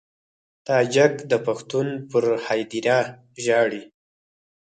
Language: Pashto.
تاجک د پښتون پر هدیره ژاړي.